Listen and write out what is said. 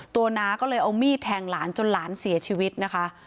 น้าก็เลยเอามีดแทงหลานจนหลานเสียชีวิตนะคะ